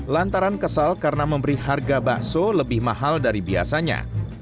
lantaran kesal karena memberi harga bakso lebih mahal dari biasanya